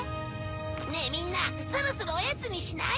ねえみんなそろそろおやつにしない？